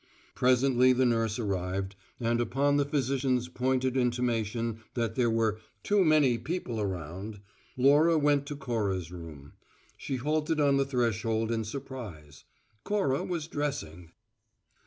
Presently the nurse arrived, and upon the physician's pointed intimation that there were "too many people around," Laura went to Cora's room. She halted on the threshold in surprise. Cora was dressing.